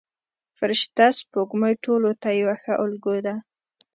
فرشته سپوږمۍ ټولو ته یوه ښه الګو ده.